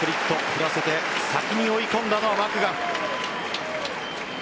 振らせて先に追い込んだのはマクガフ。